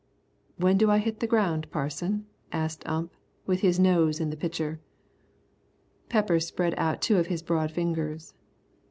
"When do I hit the ground, Parson?" asked Ump, with his nose in the pitcher. Peppers spread out two of his broad fingers.